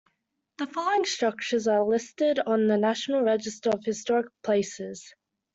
The following structures are listed on the National Register of Historic Places.